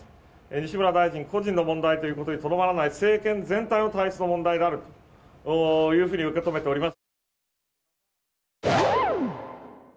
西村大臣個人の問題ということにとどまらない政権全体の体質の問題であるというふうに受け止めております。